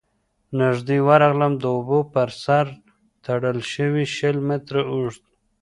، نږدې ورغلم، د اوبو پر سر تړل شوی شل متره اوږد،